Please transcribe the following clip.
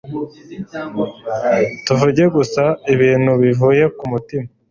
tuvuze gusa ibintu bivuye ku mutima